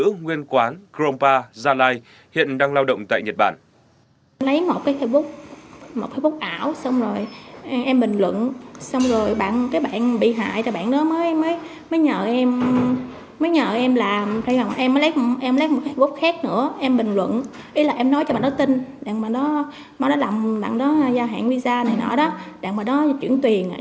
gương nguyên quán crompa gia lai hiện đang lao động tại nhật bản